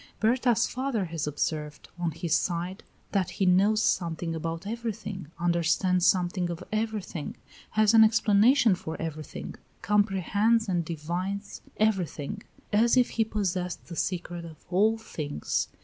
Berta's father has observed, on his side, that he knows something about everything, understands something of everything, has an explanation for everything, comprehends and divines everything, as if he possessed the secret of all things.